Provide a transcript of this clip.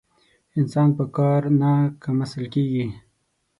انسان په کار نه کم اصل کېږي.